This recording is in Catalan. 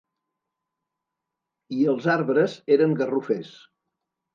I els arbres eren garrofers.